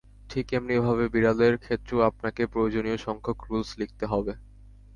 ঠিক এমনি ভাবে বিড়ালের ক্ষেত্রেও আপনাকে প্রয়োজনীয় সংখ্যক রুলস লিখতে হবে।